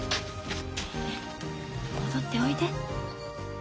戻っておいで。